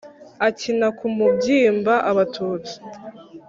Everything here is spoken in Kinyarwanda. akina ku mubyimba abatutsi